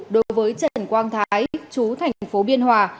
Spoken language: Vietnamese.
đối với trần quang thái chú thành phố biên hòa